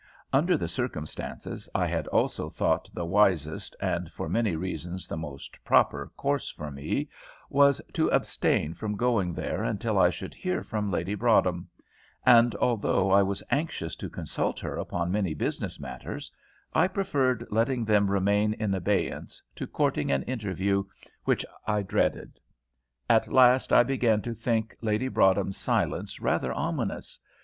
Under the circumstances, I had also thought the wisest, and for many reasons the most proper, course for me was, to abstain from going there until I should hear from Lady Broadhem; and although I was anxious to consult her upon many business matters, I preferred letting them remain in abeyance to courting an interview which I dreaded. At last I began to think Lady Broadhem's silence rather ominous.